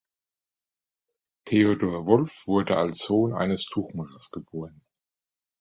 Theodor Wolff wurde als Sohn eines Tuchmachers geboren.